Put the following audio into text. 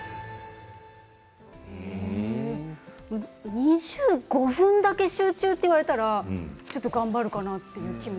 ２５分だけ集中と言われたらちょっと頑張るかなという気も。